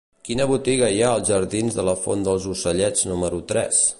Quina botiga hi ha als jardins de la Font dels Ocellets número tres?